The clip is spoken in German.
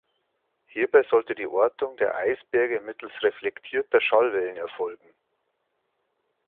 Hierbei sollte die Ortung der Eisberge mittels reflektierter Schallwellen erfolgen.